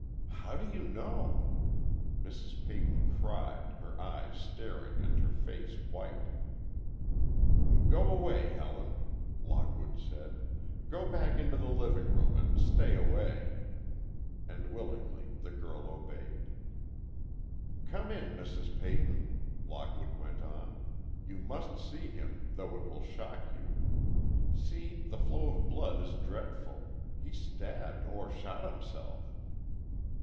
"How do you know?" Mrs. Peyton cried, her eyes staring and her face white. "Go away, Helen," Lockwood said; "go back into the living room, and stay away." And willingly the girl obeyed. "Come in, Mrs. Peyton," Lockwood went on. "You must see him, though it will shock you. See, the flow of blood is dreadful. He stabbed or shot himself."